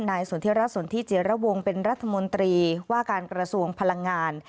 นายสวนเทียรัฐสวนที่เจียระวงเป็นรัฐมนตรีว่าการกระสวงพลังงาน